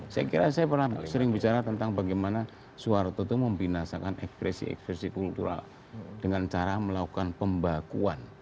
saya kira saya pernah sering bicara tentang bagaimana soeharto itu membinasakan ekspresi ekspresi kultural dengan cara melakukan pembakuan